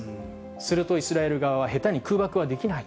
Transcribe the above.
するとイスラエル側は、下手に空爆はできない。